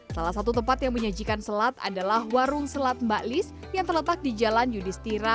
salah satu tempat yang menyajikan selat adalah warung selat mbak lis yang terletak di jalan yudhistira